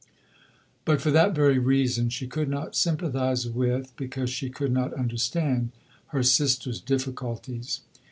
But for that very reason she could not sympathize with, because she could not understand, her sister's difficulties.